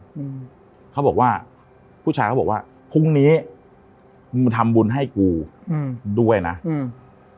อืมเขาบอกว่าผู้ชายเขาบอกว่าพรุ่งนี้มึงทำบุญให้กูอืมด้วยนะอืม